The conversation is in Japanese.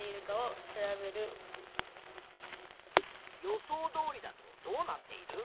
予想どおりだとどうなっている？